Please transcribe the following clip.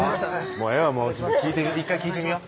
もうええわ１回聞いてみよ